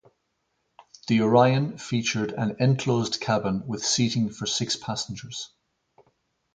The Orion featured an enclosed cabin with seating for six passengers.